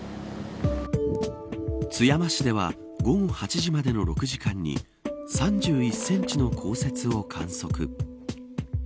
津山市では午後８時までの６時間に３１センチの降雪を観測。